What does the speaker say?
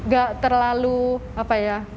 gak terlalu apa ya